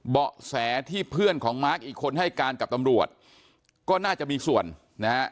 เบาะแสที่เพื่อนของมาร์คอีกคนให้การกับตำรวจก็น่าจะมีส่วนนะฮะ